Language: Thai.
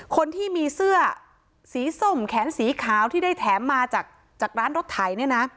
คนที่มีเสื้อสีส้มแขนสีขาวที่ได้แถมมาจากร้านรถไถเนี่ยนะ